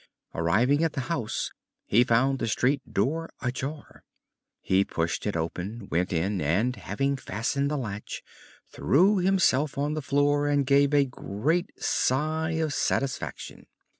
Arriving at the house he found the street door ajar. He pushed it open, went in, and having fastened the latch, threw himself on the floor and gave a great sigh of satisfaction.